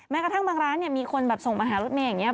แม้กระทั่งบางร้านเนี้ยมีคนแบบส่งมาหารถแม่อย่างเงี้ย